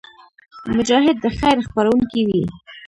مجاهد د خیر خپرونکی وي.